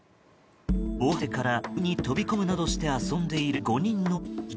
防波堤から海に飛び込むなどして遊んでいる５人の男性。